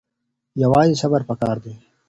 یوازې صبر پکار دی.